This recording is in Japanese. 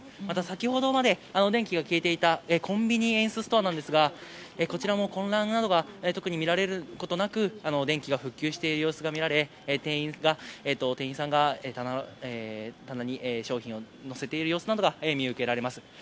また、先ほどまで電気が消えていたコンビニエンスストアですがこちらも混乱などは特にみられることなく電気が復旧している様子が見られ店員さんが棚に商品を乗せている様子が見受けられます。